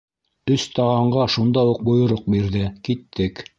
«Өс таған»ға шунда уҡ бойороҡ бирҙе: - Киттек!